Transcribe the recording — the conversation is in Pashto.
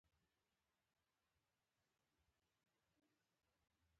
بانکونه د پیسو د خوندي ساتلو ځایونه دي.